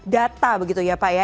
data begitu ya pak ya